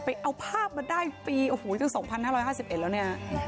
ไปเอาภาพมาได้อันนี้ถึง๒๕๕๑แล้วเนี่ย